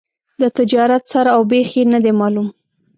د تجارت سر او بېخ یې نه دي معلوم.